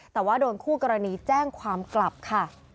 แต่ว่าโดนคู่กรณีแจ้งความกลับค่ะ